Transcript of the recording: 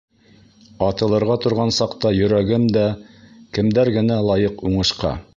Атылырға торған саҡта йөрәгем дә, Кемдәр генә лайыҡ уңышҡа?